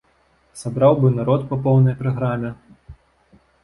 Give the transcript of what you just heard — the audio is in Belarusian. Сабраў бы народ па поўнай праграме.